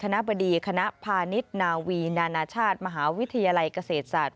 คณะบดีคณะพาณิชย์นาวีนานาชาติมหาวิทยาลัยเกษตรศาสตร์